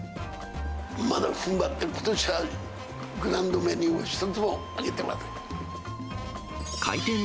まだふんばって、ことしはグランドメニューを一つも上げてません。